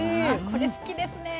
これ好きですね。